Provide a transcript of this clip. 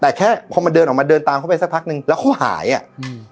แต่แค่พอมันเดินออกมาเดินตามเขาไปสักพักนึงแล้วเขาหายอ่ะอืม